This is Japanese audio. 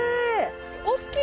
大きい！